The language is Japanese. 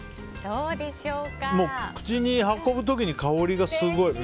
もう口に運ぶ時に香りがすごい。